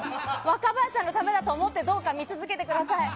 若林さんのためだと思ってどうか見続けてください。